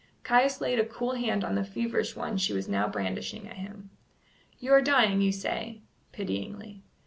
Caius laid a cool hand on the feverish one she was now brandishing at him. "You are dying, you say" pityingly.